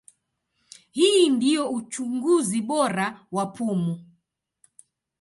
Hii ndio uchunguzi bora wa pumu.